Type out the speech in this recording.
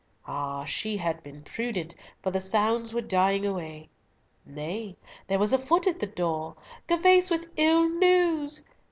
Ah! she had been prudent, for the sounds were dying away. Nay, there was a foot at the door! Gervas with ill news!